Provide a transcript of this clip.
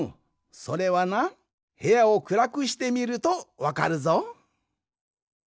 それはなへやをくらくしてみるとわかるぞ。